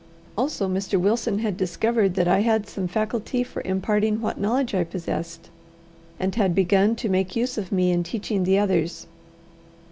Also Mr. Wilson had discovered that I had some faculty for imparting what knowledge I possessed, and had begun to make use of me in teaching the others.